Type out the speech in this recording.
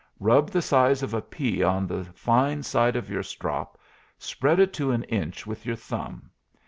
Rub the size of a pea on the fine side of your strop, spread it to an inch with your thumb.